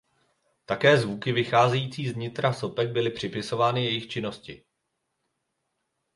Také zvuky vycházející z nitra sopek byly připisovány jejich činnosti.